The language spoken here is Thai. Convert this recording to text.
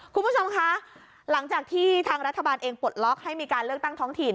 คุณผู้ชมคะหลังจากที่ทางรัฐบาลเองปลดล็อกให้มีการเลือกตั้งท้องถิ่น